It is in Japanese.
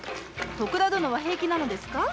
徳田殿は平気なのですか？